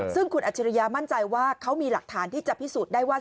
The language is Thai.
ซึ่งคุณอัจฉริยามั่นใจว่าเขามีหลักฐานที่จะพิสูจน์ได้ว่า